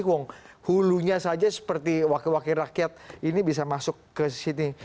hulunya saja seperti wakil wakil rakyat ini bisa masuk ke sini